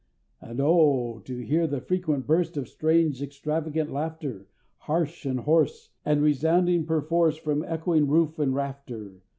And, oh! to hear the frequent burst Of strange, extravagant laughter, Harsh and hoarse, And resounding perforce From echoing roof and rafter!